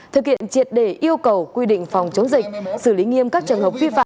thực hiện triệt đề yêu cầu quy định phòng chống dịch xử lý nghiêm các trường hợp phi phạm